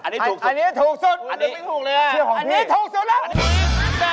อันนี้ถูกสุดอันนี้ถูกสุดอันนี้ถูกสุดอันนี้ถูกสุดแล้ว